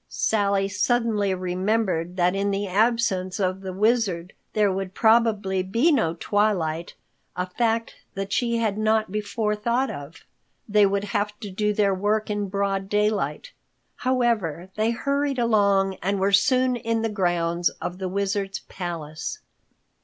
Sally suddenly remembered that in the absence of the Wizard there would probably be no twilight, a fact that she had not before thought of. They would have to do their work in broad daylight. However, they hurried along and were soon in the grounds of the Wizards palace.